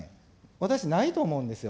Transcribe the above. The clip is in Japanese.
私、ないと思うんですよ。